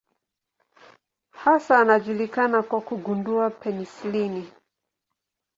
Hasa anajulikana kwa kugundua penisilini.